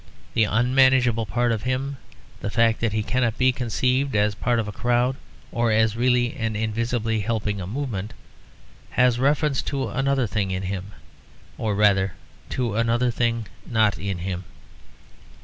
The unmanageable part of him, the fact that he cannot be conceived as part of a crowd or as really and invisibly helping a movement, has reference to another thing in him, or rather to another thing not in him.